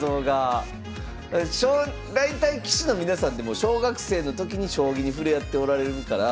大体棋士の皆さんってもう小学生の時に将棋に触れておられるから。